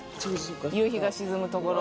夕日が沈むところ